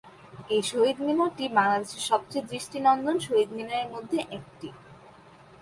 এই শহীদ মিনারটি বাংলাদেশের সবচেয়ে দৃষ্টিনন্দন শহীদ মিনারের মধ্যে একটি।